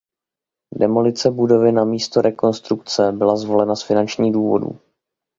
Demolice budovy namísto rekonstrukce byla zvolena z finančních důvodů.